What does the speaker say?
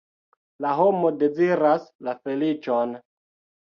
La homo deziras la feliĉon.